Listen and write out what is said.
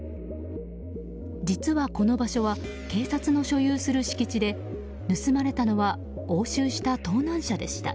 実は、この場所は警察の所有する敷地で盗まれたのは押収した盗難車でした。